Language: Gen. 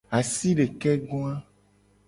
Asidekegoa.